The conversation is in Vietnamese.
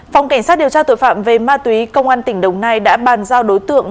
phòng cảnh sát điều tra tội phạm về ma túy công an tỉnh đồng nai đã bàn giao đối tượng